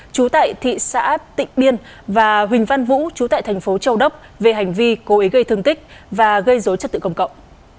chú tại thị xã tịnh biên và huỳnh văn vũ chú tại thành phố châu đốc về hành vi cố ý gây thương tích và gây dối trật tự công cộng